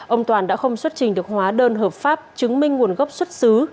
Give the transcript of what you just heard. ông toàn đã không xuất trình được hóa đơn hợp pháp chứng minh nguồn gốc xuất xứ